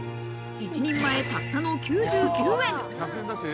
一人前、たったの９９円。